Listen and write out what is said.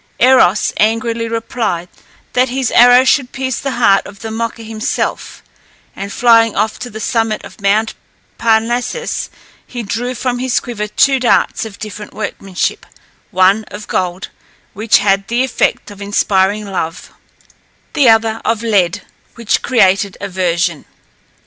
Eros angrily replied that his arrow should pierce the heart of the mocker himself, and flying off to the summit of Mount Parnassus, he drew from his quiver two darts of different workmanship one of gold, which had the effect of inspiring love; the other of lead, which created aversion.